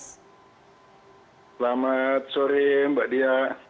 selamat sore mbak dia